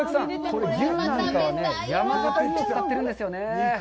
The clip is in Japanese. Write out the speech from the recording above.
これ、牛なんかは山形牛を使ってるんですよね。